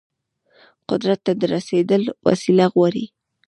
قدرت ته د رسیدل وسيله غواړي.